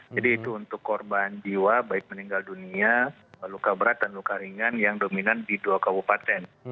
jadi itu untuk korban jiwa baik meninggal dunia luka berat dan luka ringan yang dominan di dua kabupaten